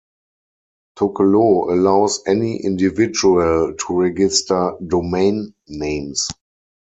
Tokelau allows any individual to register domain names.